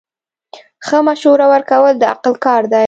ښه مشوره ورکول د عقل کار دی.